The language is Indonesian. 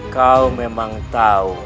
kau memang tahu